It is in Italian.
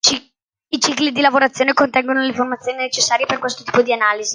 I cicli di lavorazione contengono le informazioni necessarie per questo tipo di analisi.